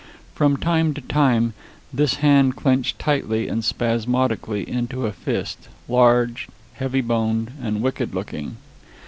From time to time this hand clenched tightly and spasmodically into a fist, large, heavy boned and wicked looking.